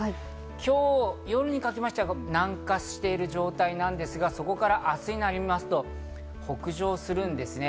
今日夜にかけましては南下している状態なんですが、そこから明日になりますと、北上するんですね。